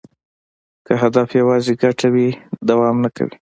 که هدف یوازې ګټه وي، دوام نه کوي.